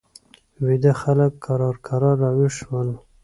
ویده خلک کرار کرار را ویښ شول.